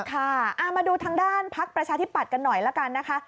ค่ะมาดูทางด้านพักประชาธิปัตย์กันหน่อยละกันนะคะ